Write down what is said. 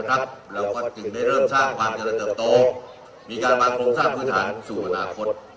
เราก็จึงได้เริ่มสร้างความเจริญเติบโตมีการวางโครงสร้างพื้นฐานสู่อนาคต